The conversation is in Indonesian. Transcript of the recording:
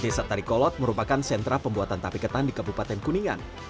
desa tarikolot merupakan sentra pembuatan tape ketan di kabupaten kuningan